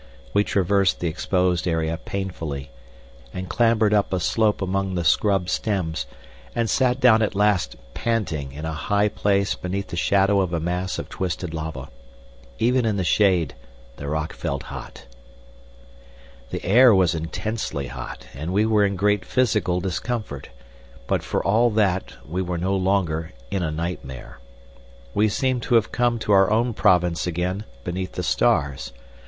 We traversed the exposed area painfully, and clambered up a slope among the scrub stems, and sat down at last panting in a high place beneath the shadow of a mass of twisted lava. Even in the shade the rock felt hot. The air was intensely hot, and we were in great physical discomfort, but for all that we were no longer in a nightmare. We seemed to have come to our own province again, beneath the stars.